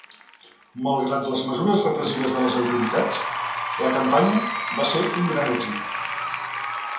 Malgrat les mesures repressives de les autoritats, la campanya va ser un gran èxit.